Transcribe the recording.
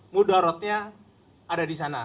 muda rotnya ada disana